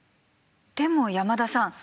でも山田さん！